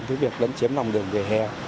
với việc lấn chiếm lòng đường vỉa hè